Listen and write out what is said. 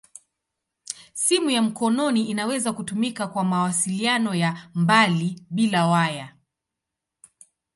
Simu ya mkononi inaweza kutumika kwa mawasiliano ya mbali bila waya.